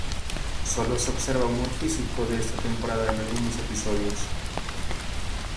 Sólo se observa humor físico de esta temporada en algunos episodios.